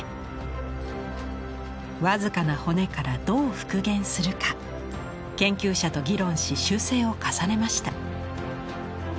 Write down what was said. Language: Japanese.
僅かな骨からどう復元するか研究者と議論し修正を重ねました。